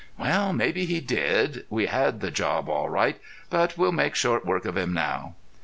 "Well, maybe he did. We had the job all right. But we'll make short work of him now."